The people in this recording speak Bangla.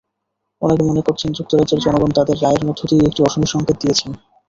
অনেকে মনে করছেন, যুক্তরাজ্যের জনগণ তাদের রায়ের মধ্য দিয়ে একটি অশনিসংকেত দিয়েছেন।